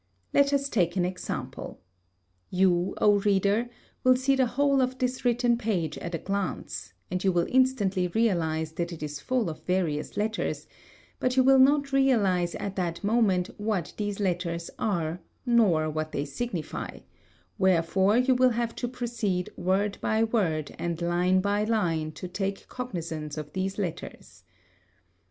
Let us take an example. You, O reader, will see the whole of this written page at a glance, and you will instantly realize that it is full of various letters, but you will not realize at that moment what these letters are nor what they signify; wherefore you will have to proceed word by word and line by line to take cognizance of these letters.